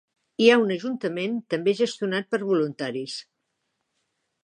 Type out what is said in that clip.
Hi ha un ajuntament, també gestionat per voluntaris.